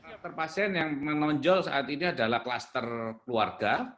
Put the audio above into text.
kluster pasien yang menonjol saat ini adalah klaster keluarga